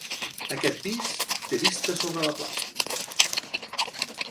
Aquest pis té vista sobre la plaça.